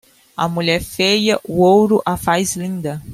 A mulher feia, o ouro a faz linda.